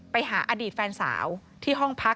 ไปหาอดีตแฟนสาวที่ห้องพัก